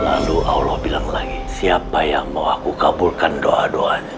lalu allah bilang lagi siapa yang mau aku kabulkan doa doanya